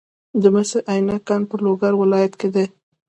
د مس عینک کان په لوګر ولایت کې دی.